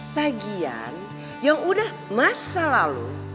tagian yang udah masa lalu